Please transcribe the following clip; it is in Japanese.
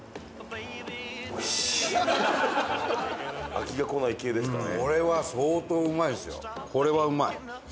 飽きがこない系ですかね。